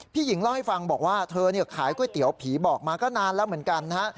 หญิงเล่าให้ฟังบอกว่าเธอขายก๋วยเตี๋ยวผีบอกมาก็นานแล้วเหมือนกันนะฮะ